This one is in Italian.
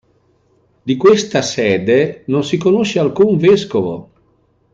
Di questa sede non si conosce alcun vescovo.